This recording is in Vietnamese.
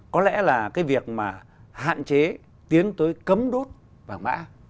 có lẽ là cái việc mà hạn chế tiến tới cấm đốt vàng mã